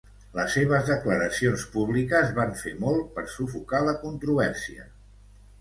Les seves declaracions públiques van fer molt per sufocar la controvèrsia.